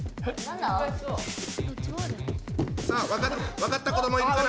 さあ分かった子どもいるかな？